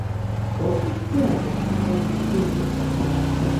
Хочаш пляжыць і паліць кнігі?